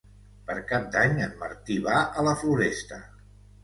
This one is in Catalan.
Per Cap d'Any en Martí va a la Floresta.